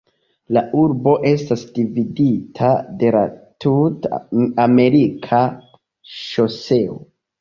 La urbo estas dividita de la Tut-Amerika Ŝoseo.